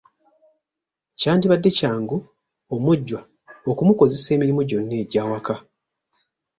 Kyandibadde kyangu omujjwa okumukozesa emirimu gyonna egy’awaka.